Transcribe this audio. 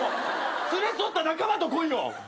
連れ添った仲間と来いよ。